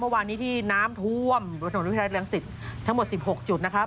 เมื่อวานี้ที่น้ำท่วมถนนฤพธิพรัฐเรียกรังศิตทั้งหมด๑๖จุดนะครับ